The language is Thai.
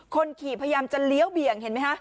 คนขี่พยายามจะเลี้ยวเบี่ยงเห็นไหมคะ